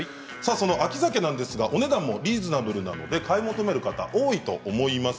秋ザケはお値段もリーズナブルなので買い求める方も多いと思います。